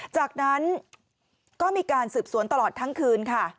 จากนั้นก็มีการสืบสวนตลอดทั้งคืนค่ะ